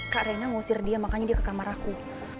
kak rena ngusir dia makanya dia ke kamar aku